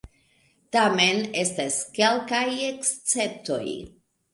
Tamen, estas kelkaj esceptoj.